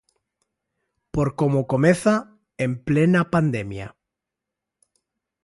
Por como comeza, en plena pandemia.